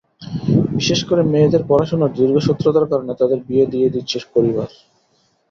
বিশেষ করে মেয়েদের পড়াশোনার দীর্ঘসূত্রতার কারণে তাঁদের বিয়ে দিয়ে দিচ্ছে পরিবার।